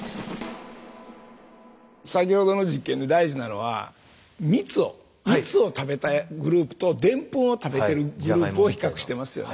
先ほどの実験で大事なのは蜜を食べたグループとでんぷんを食べてるグループを比較してますよね。